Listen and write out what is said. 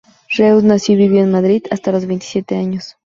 Reus nació y vivió en Madrid hasta los veintisiete años.